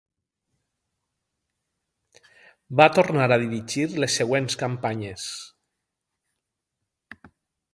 Va tornar a dirigir les següents campanyes?